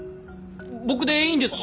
僕でいいんですか？